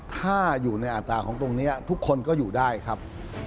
ถ้าอยู่ในอัตราของตรงนี้ทุกคนก็อยู่ได้ครับ